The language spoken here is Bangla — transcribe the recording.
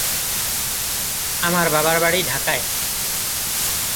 আমার বাবার বাড়ি ঢাকায়।